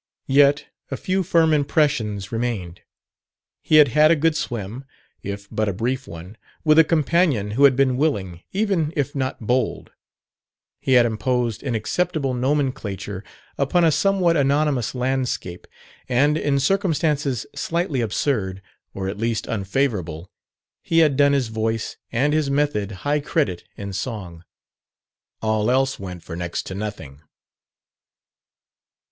Yet a few firm impressions remained. He had had a good swim, if but a brief one, with a companion who had been willing, even if not bold; he had imposed an acceptable nomenclature upon a somewhat anonymous landscape; and, in circumstances slightly absurd, or at least unfavorable, he had done his voice and his method high credit in song. All else went for next to nothing.